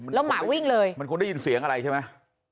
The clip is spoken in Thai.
แล้วหมาวิ่งเลยมันคงได้ยินเสียงอะไรใช่ไหม